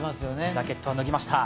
ジャケットは脱ぎました。